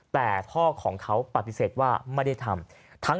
แต่พ่อของเขาปฏิเสธว่าไม่ได้ทำ